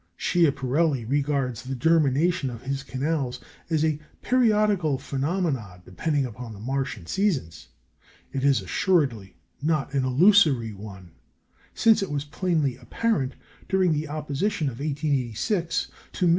Schiaparelli regards the "germination" of his canals as a periodical phenomenon depending on the Martian seasons. It is, assuredly, not an illusory one, since it was plainly apparent, during the opposition of 1886, to MM.